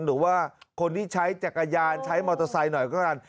หรือว่าคนที่ใช้จักรยานใช้มอเตอร์ไซค์หน่อยก็แล้วกัน